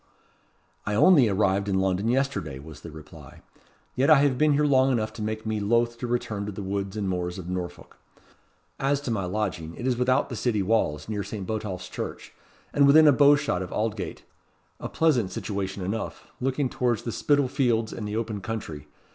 "I only arrived in London yesterday," was the reply; "yet I have been here long enough to make me loth to return to the woods and moors of Norfolk. As to my lodging, it is without the city walls, near St. Botolph's Church, and within a bow shot of Aldgate: a pleasant situation enough, looking towards the Spital Fields and the open country.